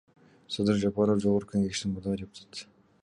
Садыр Жапаров — Жогорку Кеңештин мурдагы депутаты.